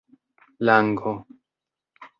lango